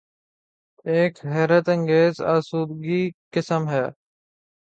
ایک حیرت انگیز آسودگی قسم ہے۔